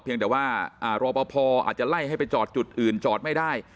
แต่ว่ารอปภอาจจะไล่ให้ไปจอดจุดอื่นจอดไม่ได้